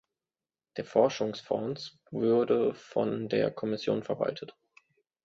Der Forschungsfonds würde von der Kommission verwaltet.